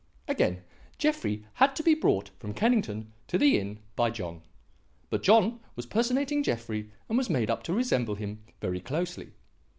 "Again; Jeffrey had to be brought from Kennington to the inn by John. But John was personating Jeffrey and was made up to resemble him very closely.